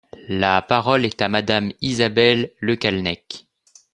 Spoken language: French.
La parole est à Madame Isabelle Le Callennec.